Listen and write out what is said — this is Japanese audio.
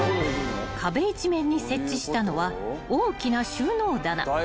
［壁一面に設置したのは大きな収納棚］